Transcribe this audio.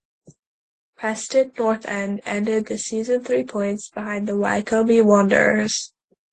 Preston North End ended the season three points behind Wycombe Wanderers.